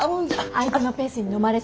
相手のペースにのまれすぎ。